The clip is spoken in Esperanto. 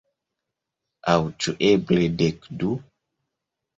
Aŭ ĉu eble dekdu?